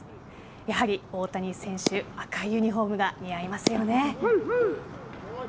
やはり大谷選手赤いユニホームが似合いますよね。